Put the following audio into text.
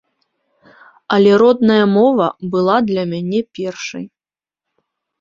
Але родная мова была для мяне першай.